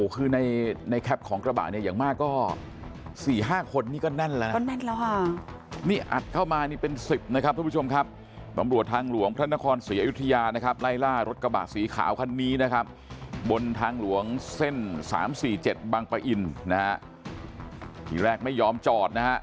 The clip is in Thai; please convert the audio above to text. คือในแคปถ์ของกระบาดเนี่ยอย่างมากก็